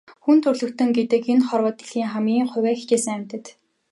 Хүн төрөлхтөн гэдэг энэ хорвоо дэлхийн хамгийн хувиа хичээсэн амьтад.